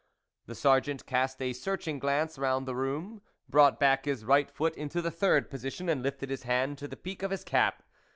The Sergeant cast a searching glance round the room, brought back his right foot into the third position and lifted his hand to the peak of his cap.